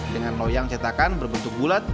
dengan loyang cetakan berbentuk bulat